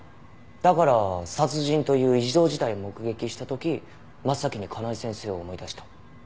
だから殺人という異常事態を目撃した時真っ先に香奈枝先生を思い出した？